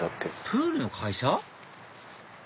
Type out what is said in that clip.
プールの会社？